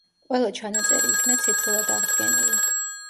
ყველა ჩანაწერი იქნა ციფრულად აღდგენილი.